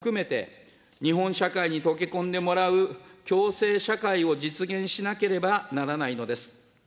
その結果、配偶者や子どもも含めて、日本社会に溶け込んでもらう共生社会を実現しなければならないのです。